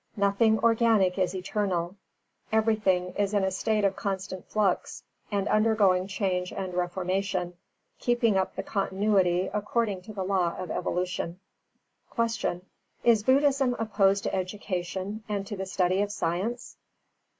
Nothing organic is eternal. Everything is in a state of constant flux, and undergoing change and reformation, keeping up the continuity according to the law of evolution. 328. Q. _Is Buddhism opposed to education, and to the study of science?